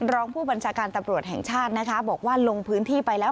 รองผู้บัญชาการตำรวจแห่งชาตินะคะบอกว่าลงพื้นที่ไปแล้ว